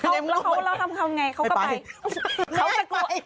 อื้อหือคือแบบแล้วทำยังไงเขาก็ไป